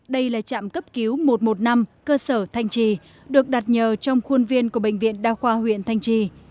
đây là trạm cấp cứu một trăm một mươi năm cơ sở thanh trì được đặt nhờ trong khuôn viên của bệnh viện đa khoa huyện thanh trì